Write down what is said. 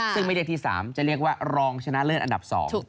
ซึ่งไม่ได้ที่๓จะเรียกว่ารองชนะเลิศอันดับ๒